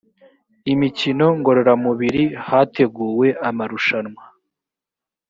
imikino ngororamubiri hateguwe amarushanwa